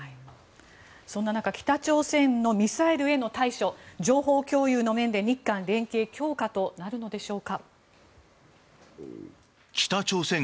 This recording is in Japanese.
そんな中北朝鮮のミサイルへの対処情報共有の面で日韓連携強化となるんでしょうか。